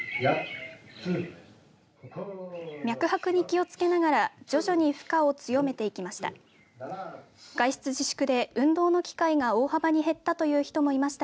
脈拍に気をつけながら徐々に負荷を強めていきました。